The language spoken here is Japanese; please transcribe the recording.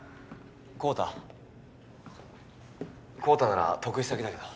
昊汰なら得意先だけど。